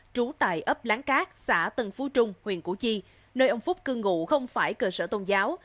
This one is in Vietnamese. trú tại ấp lán cát xã tân phú trung huyện củ chi nơi ông phúc cư ngụ không phải cơ sở tôn giáo